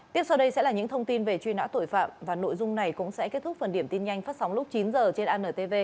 tiếp sau đây sẽ là những thông tin về truy nã tội phạm và nội dung này cũng sẽ kết thúc phần điểm tin nhanh phát sóng lúc chín h trên antv